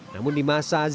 namun di masa zia